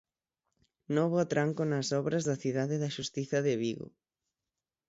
Novo atranco nas obras da Cidade da Xustiza de Vigo.